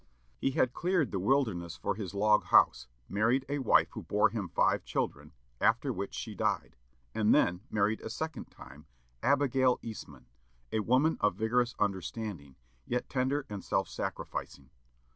He had cleared the wilderness for his log house, married a wife who bore him five children, after which she died, and then married a second time, Abigail Eastman, a woman of vigorous understanding, yet tender and self sacrificing.